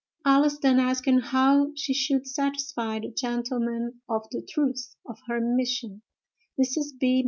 Alice then asking how she should satisfy the gentleman of the truth of her mission, Mrs. B.